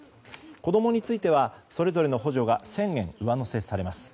子供についてはそれぞれの補助が１０００円上乗せされます。